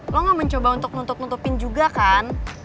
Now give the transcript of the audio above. lo gak mau coba untuk nuntuk nuntupin juga kan